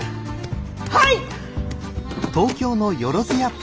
はい！